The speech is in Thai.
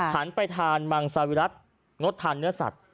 หันไปทานมังซาวิรัติงดทานเนื้อสัตว